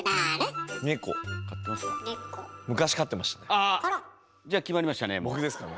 あら！じゃ決まりましたね